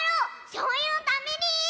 しょうゆのために！